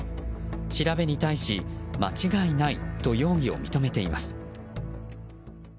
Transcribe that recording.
調べに対し、間違いないと容疑を認めています。